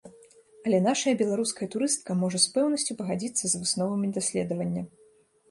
Але нашая беларуская турыстка можа з пэўнасцю пагадзіцца з высновамі даследавання.